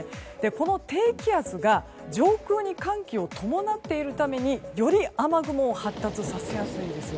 この低気圧が上空に寒気を伴っているためにより雨雲を発達させやすいんです。